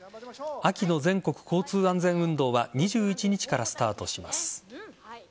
秋の全国交通安全運動は２１日からスタートします。